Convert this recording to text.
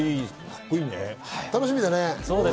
楽しみだね。